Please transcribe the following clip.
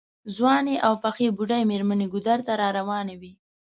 ځوانې او پخې بوډۍ مېرمنې ګودر ته راروانې وې.